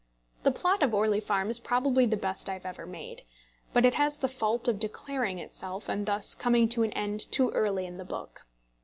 The plot of Orley Farm is probably the best I have ever made; but it has the fault of declaring itself, and thus coming to an end too early in the book.